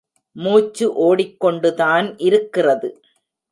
மூச்சு ஓடிக் கொண்டுதான் இருக்கிறது.